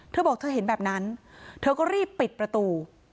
เธอบอกเธอเห็นแบบนั้นเธอก็รีบปิดประตู